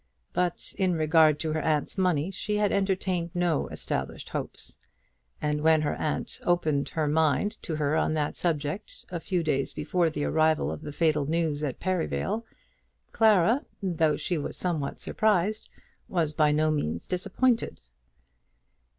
But in regard to her aunt's money she had entertained no established hopes; and when her aunt opened her mind to her on that subject, a few days before the arrival of the fatal news at Perivale, Clara, though she was somewhat surprised, was by no means disappointed.